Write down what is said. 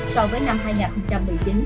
so với năm hai nghìn một mươi chín